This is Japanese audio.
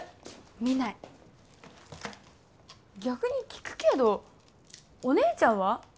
見ない逆に聞くけどお姉ちゃんは？